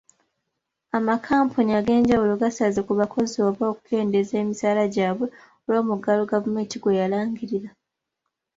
Amakampuni ag'enjawulo gasaze ku bakozi oba okukendeeza emisaala gyabwe olw'omuggalo gavumenti gweyalangirira.